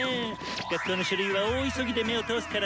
学校の書類は大急ぎで目を通すからさ！